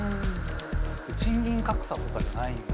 賃金格差とかじゃないんだ。